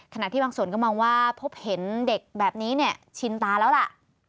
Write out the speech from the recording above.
ที่บางส่วนก็มองว่าพบเห็นเด็กแบบนี้เนี่ยชินตาแล้วล่ะ